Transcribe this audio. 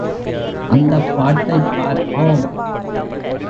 அந்தப் பாட்டைப் பார்ப்போம்.